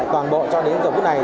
toàn bộ cho đến giờ bước này